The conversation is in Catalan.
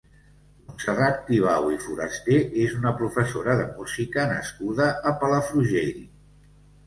Montserrat Tibau i Foraster és una professora de música nascuda a Palafrugell.